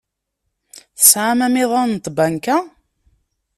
Tesɛam amiḍan n tbanka?